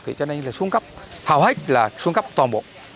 thì cho nên là xuống cấp thảo hách là xuống cấp toàn bộ